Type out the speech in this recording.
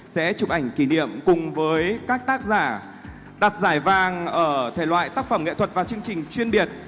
sẽ chụp ảnh kỷ niệm cùng với các tác giả đặt giải vàng ở thể loại tác phẩm nghệ thuật và chương trình chuyên biệt